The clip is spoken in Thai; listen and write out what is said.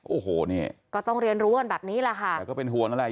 โอ้โหนี่ก็ต้องเรียนรู้กันแบบนี้แหละค่ะแต่ก็เป็นห่วงนั่นแหละ